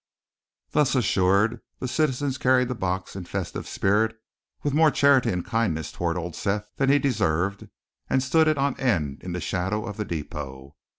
Thus assured, the citizens carried the box in festive spirit, with more charity and kindness toward old Seth than he deserved, and stood it on end in the shadow of the depot.